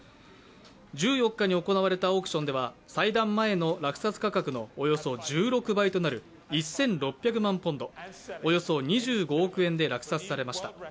１４日に行われたオークションでは細断前の落札価格のおよそ１６倍となる１６００万ポンド、およそ２６億円で落札されました。